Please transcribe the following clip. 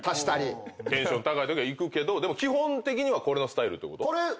テンション高いときはいくけどでも基本的にはこのスタイルってこと？